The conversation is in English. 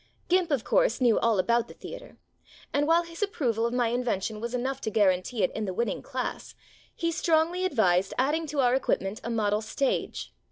"Gimp," of course, knew all about the theater ; and while his approval of my in vention was enough to guarantee it in the winning class, he strongly advised adding to our equipment a model stage.